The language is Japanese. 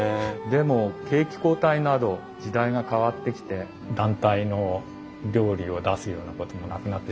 でも景気後退など時代が変わってきて団体の料理を出すようなこともなくなってしまった。